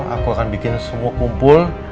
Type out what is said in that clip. aku akan bikin semua kumpul